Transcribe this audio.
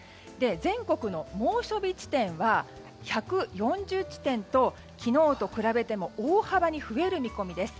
全国の猛暑日地点は１４０地点と昨日と比べても大幅に増える見込みです。